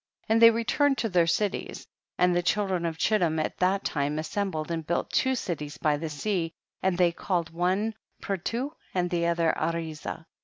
'15. And they returned to their cities, and the children of Chittim at that time assembled and built two cities by the sea, and they called one Purtu and the other Ariza.